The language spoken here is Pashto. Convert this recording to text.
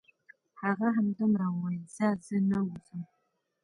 هغه همدومره وویل: ځه زه نه وځم.